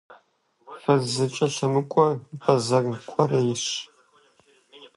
Фыз зэкӀэлъымыкӀуэ бэзэр кӀуэрейщ.